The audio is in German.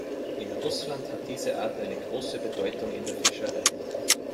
In Russland hat diese Art eine große Bedeutung in der Fischerei.